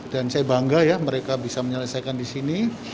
dan saya bangga ya mereka bisa menyelesaikan di sini